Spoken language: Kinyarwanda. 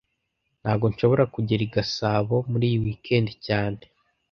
Ntago nshobora kugera i Gasabo muri iyi weekend cyane